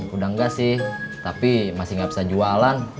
udah enggak sih tapi masih gak bisa jualan